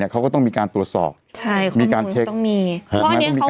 เขาก็ต้องมีการตรวจสอบมีการเช็ค